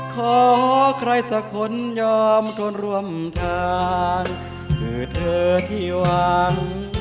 ขอใครสักคนยอมคนร่วมทางคือเธอที่หวัง